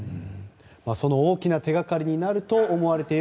その大きな手掛かりになると思われている